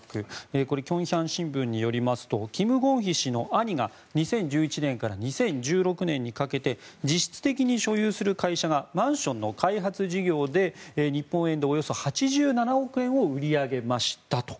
これ、京郷新聞によりますとキム・ゴンヒ氏の兄が２０１１年から２０１６年にかけて実質的に所有する会社がマンションの開発事業で日本円でおよそ８７億円を売り上げましたと。